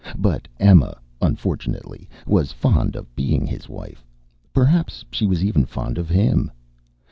But Emma, unfortunately, was fond of being his wife; perhaps she was even fond of him.